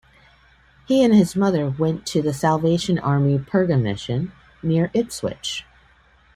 He and his mother then went to the Salvation Army Purga Mission near Ipswich.